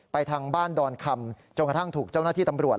ทางบ้านดอนคำจนกระทั่งถูกเจ้าหน้าที่ตำรวจ